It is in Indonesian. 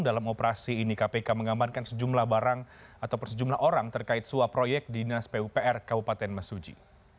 dalam operasi ini kpk mengamankan sejumlah barang atau sejumlah orang terkait suap proyek dinas pupr kabupaten mesuji